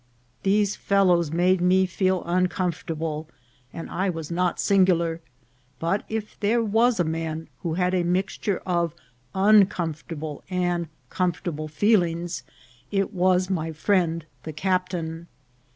These fellows made me feel uncomfortable, and I was not singular ; but if there was a man who had a mixture of uncomfortable and comfortable feelings, it was my friend the captain.